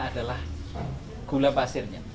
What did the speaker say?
adalah gula pasirnya